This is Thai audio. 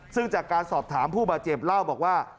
ซึ่งจากการสอบถามผู้บาดเจ็บเล่าบอกว่า